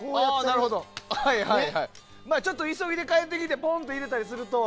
急いで帰ってきてポンと入れたりすると。